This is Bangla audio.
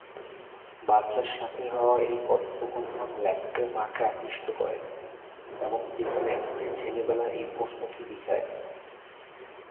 বাচ্চার সাথে হওয়া এই কথোপকথন লেখকের মাকে আকৃষ্ট করে এবং তিনি লেখকের ছেলেবেলার এই প্রশ্নটি লিখে রাখেন।